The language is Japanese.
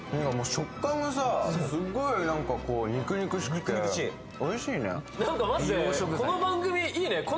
食感がさすっごい何かこう肉肉しくておいしいね